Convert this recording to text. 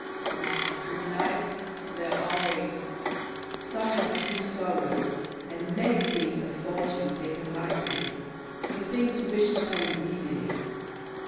Now in lives there are ways. Some have few sorrows and many things of fortune taken lightly, the things wished coming easily.